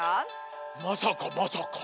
まさかまさか！